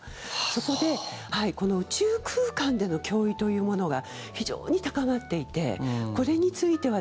そこで、この宇宙空間での脅威というものが非常に高まっていてこれについては